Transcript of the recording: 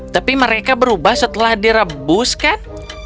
tapi mereka berubah setelah direbuskan